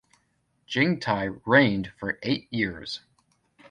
Jingtai reigned for eight years.